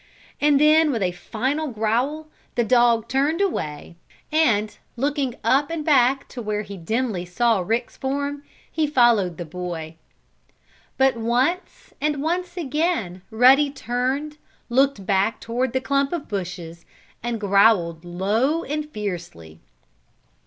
And then, with a final growl, the dog turned away and, looking up and back to where he dimly saw Rick's form, he followed the boy. But once, and once again, Ruddy turned, looked back toward the clump of bushes, and growled low and fiercely.